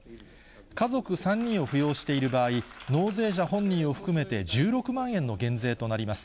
家族３人を扶養している場合、納税者本人を含めて１６万円の減税となります。